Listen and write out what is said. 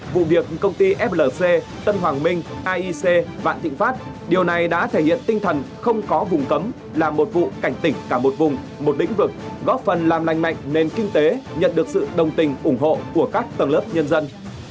vụ việc công ty flc tân hoàng minh aic vạn thịnh pháp điều này đã thể hiện tinh thần không có vùng cấm là một vụ cảnh tỉnh cả một vùng một lĩnh vực góp phần làm lành mạnh nền kinh tế nhận được sự đồng tình ủng hộ của các tầng lớp nhân dân